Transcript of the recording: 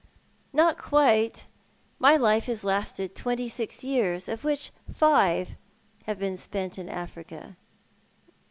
" Not quite. My life has lasted twenty six years, of which five have been spent in Africa."